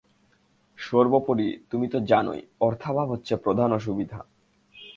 সর্বোপরি তুমি তো জানই, অর্থাভাব হচ্ছে প্রধান অসুবিধা।